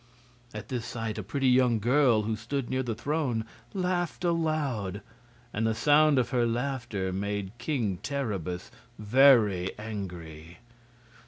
At this sight a pretty young girl, who stood near the throne, laughed aloud, and the sound of her laughter made King Terribus very angry.